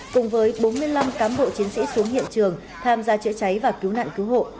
cùng với bốn mươi năm cán bộ chiến sĩ xuống hiện trường tham gia chữa cháy và cứu nạn cứu hộ